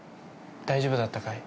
大丈夫だったかい？